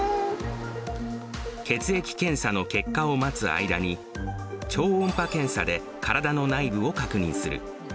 血液検査の結果を待つ間に、超音波検査で体の内部を確認する。